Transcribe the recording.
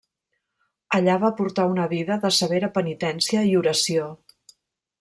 Allà va portar una vida de severa penitència i oració.